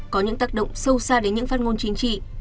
có những tác động sâu xa đến những phát ngôn chính trị